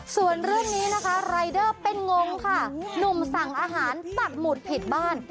ส่วนเรื่องนี้นะคะรายเดอร์เป็นงงค่ะหนุ่มสั่งอาหารปักหมุดผิดบ้าน